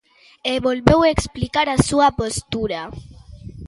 E volveu explicar a súa postura.